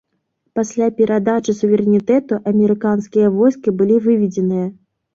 Пасля перадачы суверэнітэту амерыканскія войскі былі выведзеныя.